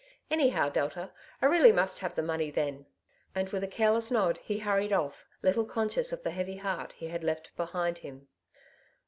Anyhow, Delta, I really must have the money then." And with a careless nod he hurried off, little conscious of the heavy heart he had left behind him.